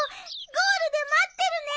ゴールで待ってるね。